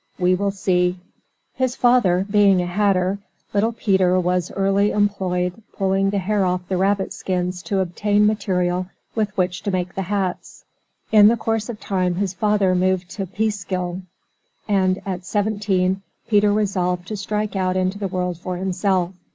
we will see: His father, being a hatter, little Peter was early employed pulling the hair off the rabbit skins to obtain material with which to make the hats. In the course of time his father moved to Peekskill, and at seventeen Peter resolved to strike out into the world for himself.